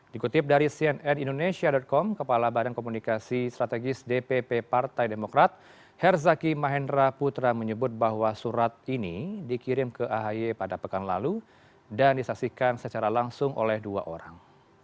dikutip dari cnn indonesia com kepala badan komunikasi strategis dpp partai demokrat herzaki mahendra putra menyebut bahwa surat ini dikirim ke ahy pada pekan lalu dan disaksikan secara langsung oleh dua orang